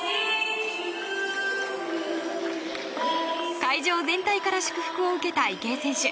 会場全体から祝福を受けた池江選手。